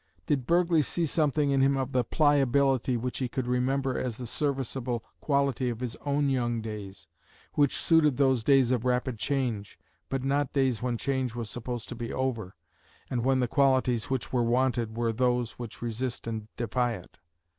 Did Burghley see something in him of the pliability which he could remember as the serviceable quality of his own young days which suited those days of rapid change, but not days when change was supposed to be over, and when the qualities which were wanted were those which resist and defy it?